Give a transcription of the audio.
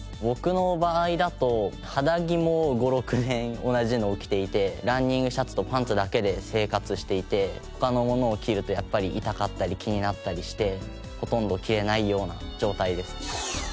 僕の場合だと肌着も５６年同じのを着ていてランニングシャツとパンツだけで生活していて他のものを着るとやっぱり痛かったり気になったりしてほとんど着られないような状態です。